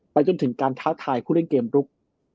จนถึงการท้าทายผู้เล่นเกมลุก